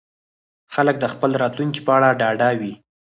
خلک د خپل راتلونکي په اړه ډاډه وي.